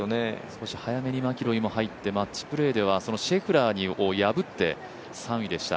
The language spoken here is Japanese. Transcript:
少し早めにマキロイも入ってマッチプレーではそのシェフラーを破って、３位でした。